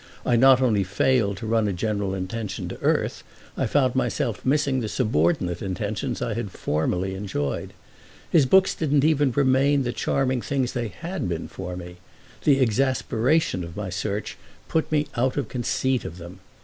I not only failed to run a general intention to earth, I found myself missing the subordinate intentions I had formerly enjoyed. His books didn't even remain the charming things they had been for me; the exasperation of my search put me out of conceit of them.